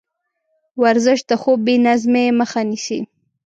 ورزش د خوب بېنظمۍ مخه نیسي.